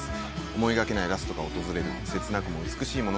思いがけないラストが訪れる切なくも美しい物語。